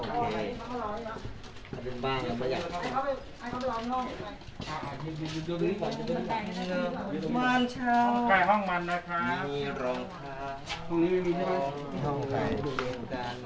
๒ห้องครับเจอกับอย่างงี้ห้องเชาอย่างงี้